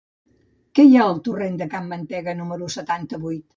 Què hi ha al torrent de Can Mantega número setanta-vuit?